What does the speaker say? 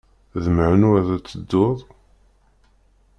D menhu ara d-tedduḍ?